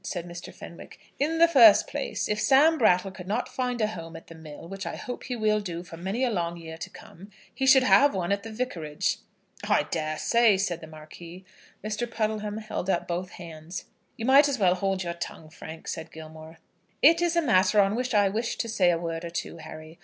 said Mr. Fenwick. "In the first place, if Sam Brattle could not find a home at the mill, which I hope he will do for many a long year to come, he should have one at the Vicarage." "I dare say," said the Marquis. Mr. Puddleham held up both hands. "You might as well hold your tongue, Frank," said Gilmore. "It is a matter on which I wish to say a word or two, Harry.